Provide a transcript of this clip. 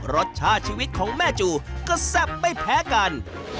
รสชาติชีวิตของแม่จูก็แซ่บไม่แพ้กัน